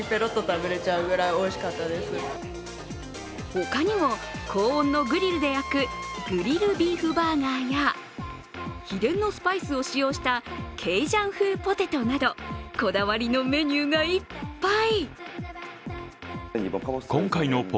他にも、高温のグリルで焼くグリルビーフバーガーや秘伝のスパイスを使用したケイジャン風ポテトなどこだわりのメニューがいっぱい。